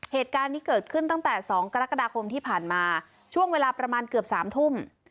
เหตุการณ์นี้เกิดขึ้นตั้งแต่๒กรกฎาคมที่ผ่านมาช่วงเวลาประมาณเกือบ๓ทุ่ม